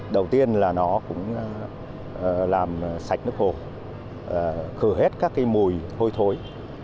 đầu tiên là nó cũng làm sạch nước hồ khử hết các cái mùi hôi thối